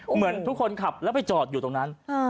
เหมือนทุกคนขับแล้วไปจอดอยู่ตรงนั้น